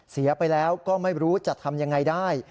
เสียไปแล้วก็ไม่รู้จะทำยังไงได้